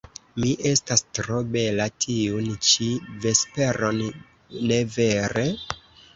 Mi estas tro bela tiun ĉi vesperon, ne vere?